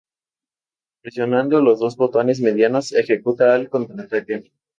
Presionando los dos botones medianos ejecuta el contraataque.